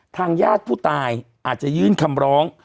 ทางญาติผู้ตายอาจจะยื่นคำร้อง